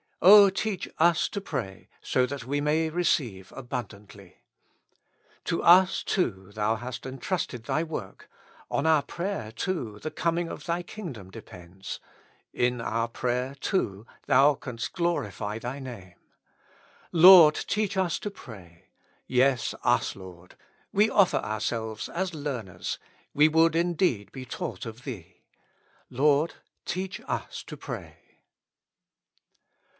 O teach ns to pray so that we may receive abundantly. To us too Thou hast entrusted Thy work, on our prayer too the coming of Thy kingdom depends, in our prayer too, Thou canst glorify Thy name; " Lord, teach us to pray." Yes, us, Lord; we offer ourselves as learners; we would indeed be taught of Thee. " Lord, teach us to pray."